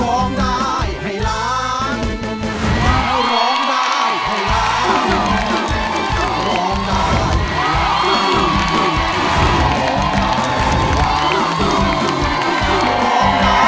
เราร้องได้ให้ล้าง